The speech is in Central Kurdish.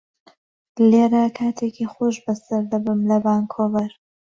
لێرە کاتێکی خۆش بەسەر دەبەم لە ڤانکوڤەر.